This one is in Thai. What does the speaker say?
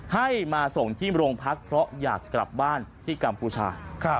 ให้มาส่งที่โรงพักเพราะอยากกลับบ้านที่กัมพูชา